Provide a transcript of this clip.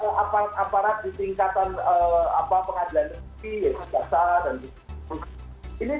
dua aparat aparat di tingkatan pengadilan ipi yang tidak syarat dan berkhusus